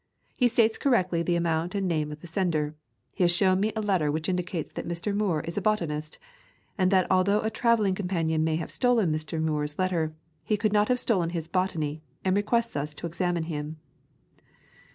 He states correctly the amount and the name of the sender. He has shown me a letter which indicates that Mr. Muir is a botanist, and that although a travel ing companion may have stolen Mr. Muir's letter, he could not have stolen his botany, and requests us to examine him."